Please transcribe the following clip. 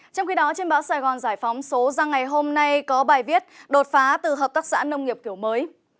trong khi đó trên báo sài gòn giải phóng số ra ngày hôm nay có bài viết đột phá từ hợp tác xã nông nghiệp kiểu mới